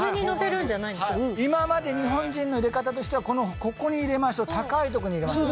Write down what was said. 今まで日本人の入れ方としてはここに入れましょう高いとこに入れましょう。